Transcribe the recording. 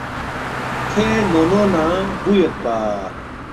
کھوے نن٘و نہ بُو یودپا